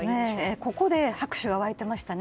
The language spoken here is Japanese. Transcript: ここで拍手が沸いてましたね。